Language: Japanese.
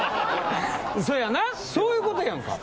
そやなそういうことやんか。